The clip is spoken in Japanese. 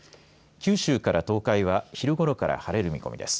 九州から東海は昼ごろから晴れる見込みです。